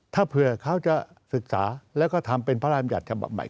ถ้าเผื่อเขาจะศึกษาแล้วก็ทำเป็นพระราชบัญญัติฉบับใหม่